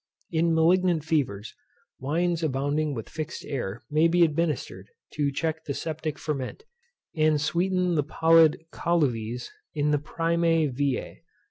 In MALIGNANT FEVERS wines abounding with fixed air may be administered, to check the septic ferment, and sweeten the putrid colluvies in the primæ viæ.